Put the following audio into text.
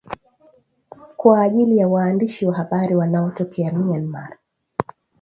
kwa ajili ya waandishi wa habari wanaotokea Myanmar,